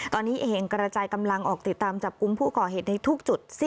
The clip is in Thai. ตอนนี้เองกระจายกำลังออกติดตามจับกลุ่มผู้ก่อเหตุในทุกจุด